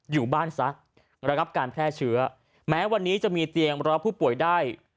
อยู่บ้านซะระงับการแพร่เชื้อแม้วันนี้จะมีเตียงรอผู้ป่วยได้